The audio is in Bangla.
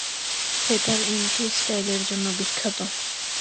সে তার এন্ট্রি স্টাইলের জন্য বিখ্যাত।